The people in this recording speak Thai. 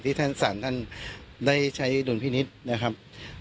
ท่านศาลท่านได้ใช้ดุลพินิษฐ์นะครับ